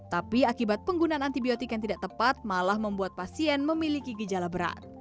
tapi akibat penggunaan antibiotik yang tidak tepat malah membuat pasien memiliki gejala berat